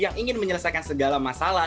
yang ingin menyelesaikan segala masalah